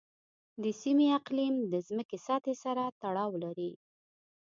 د سیمې اقلیم د ځمکې سطحې سره تړاو لري.